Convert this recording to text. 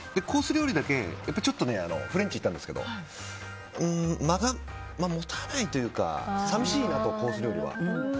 料理だけ、ちょっとフレンチに行ったんですけど間が持たないというか寂しいなと、コース料理は。